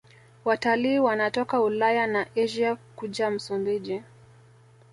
Watalii wanatoka Ulaya na Asia kuja Msumbiji